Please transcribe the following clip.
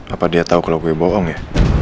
apa dia tahu kalau gue bohong ya